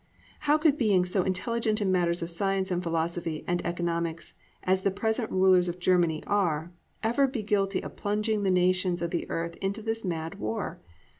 How could beings so intelligent in matters of science and philosophy and economics as the present rulers of Germany are, ever be guilty of plunging the nations of the earth into this mad war?